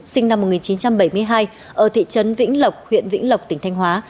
sinh năm một nghìn chín trăm bảy mươi hai ở thị trấn vĩnh lộc huyện vĩnh lộc tỉnh thanh hóa